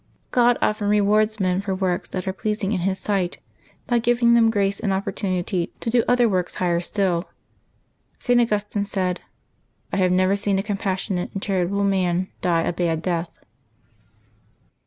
— God often rewards men for works that are pleasing in His sight by giving them grace and opportunity to do other works higher still. St. Augustine said, " I have never seen a compassionate and charitable man die a bad death.''